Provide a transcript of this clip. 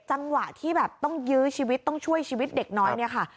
จังหวะที่แบบต้องยื้อชีวิตต้องช่วยชีวิตเด็กน้อยเนี่ยค่ะ